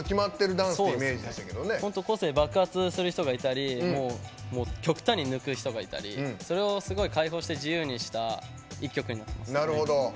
本当に個性が爆発する人がいたり極端に抜く人がいたりそれを、すごく開放して自由にした一曲になっています。